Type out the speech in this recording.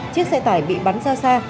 chiếc xe tải bị bắn xa xa